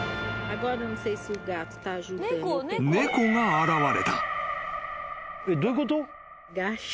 ［猫が現れた］